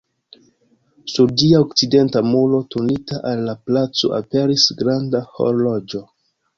Sur ĝia okcidenta muro, turnita al la placo, aperis granda horloĝo.